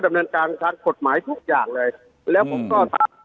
ดำเนินการทางกฎหมายทุกอย่างเลยแล้วผมก็ถาม